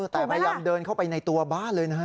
แต่พยายามเดินเข้าไปในตัวบ้านเลยนะฮะ